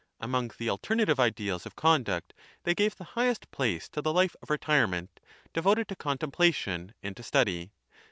Among the alternative ideals of conduct they gave the highest place to the life of retirement, devoted to contemplation and to study.